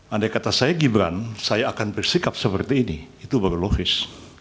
andai kata saya gibran saya akan bersikap seperti ini itu baru logis